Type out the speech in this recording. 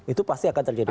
itu pasti akan terjadi